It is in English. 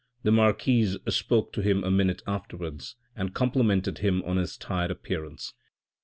The marquise spoke to him a minute afterwards and complimented him on his tired appearance.